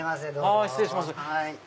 失礼します。